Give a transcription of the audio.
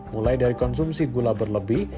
mulai dari konsumsi gula berlebih